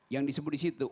yang disebut di situ